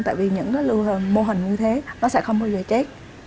tại vì những mô hình như thế nó sẽ không bao giờ chết